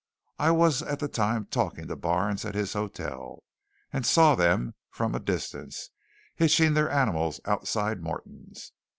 I was at the time talking to Barnes at his hotel, and saw them from a distance hitching their animals outside Morton's.